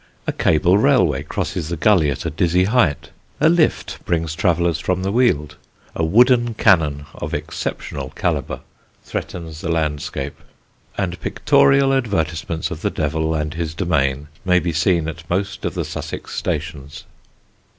A cable railway crosses the gully at a dizzy height, a lift brings travellers from the Weald, a wooden cannon of exceptional calibre threatens the landscape, and pictorial advertisements of the Devil and his domain may be seen at most of the Sussex stations.